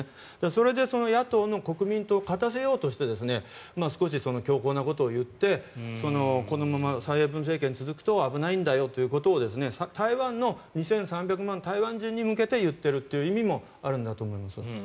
それで野党の国民党を勝たせようとして少し強硬なことを言ってこのまま蔡英文政権が続くと危ないんだよと台湾の２３００万台湾人に向けて言っているという意味もあるんだと思います。